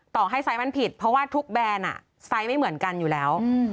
ต่อให้ไซส์มันผิดเพราะว่าทุกแบรนด์ไซส์ไม่เหมือนกันอยู่แล้ว